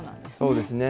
そうですね。